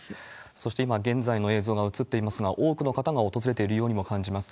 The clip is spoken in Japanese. そして今現在の映像が映っていますのは、多くの方が訪れているようにも感じます。